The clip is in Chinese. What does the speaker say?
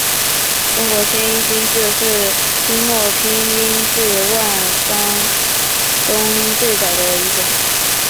中国切音新字是清末拼音字方案中最早的一种。